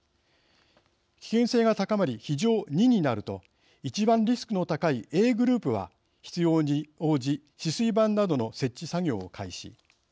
危険性が高まり「非常２」になると一番リスクの高いＡグループは必要に応じ止水板などの設置作業を開始。